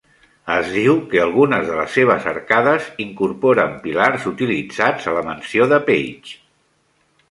Es diu que algunes de les seves arcades incorporen pilars utilitzats a la mansió de Page.